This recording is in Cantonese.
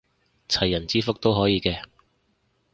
齊人之福都可以嘅